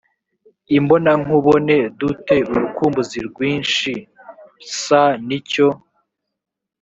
imbonankubone du te urukumbuzi rwinshi s ni cyo